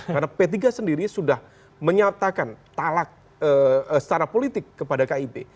karena p tiga sendiri sudah menyatakan talak secara politik kepada kib